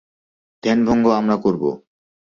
ধ্যানভঙ্গ আমরা করব।